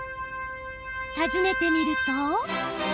訪ねてみると。